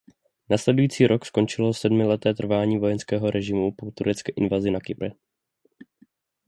Následující rok skončilo sedmileté trvání vojenského režimu po turecké invazi na Kypr.